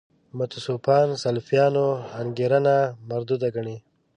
متصوفان سلفیانو انګېرنه مردوده ګڼي.